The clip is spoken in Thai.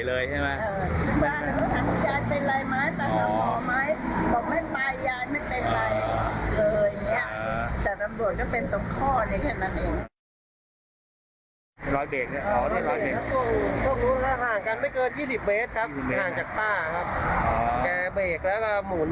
แล้วเมื่อวานเราอยู่ในเหตุการณ์แล้วเราช่วยอะไรบ้าง